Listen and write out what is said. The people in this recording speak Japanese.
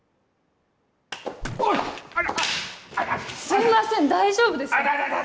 すいません大丈夫ですか？